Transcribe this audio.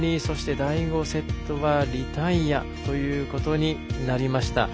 第５セットはリタイアということになりました。